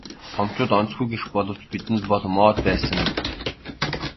Томчууд онцгүй гэх боловч бидэнд бол моод байсан юм.